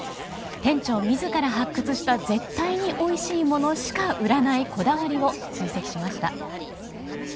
店長自ら発掘した絶対においしいものしか売らないこだわりを追跡しました。